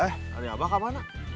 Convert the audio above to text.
eh hari abah kemana